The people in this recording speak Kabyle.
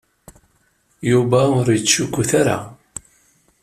Yuba ur yettcukkut ara.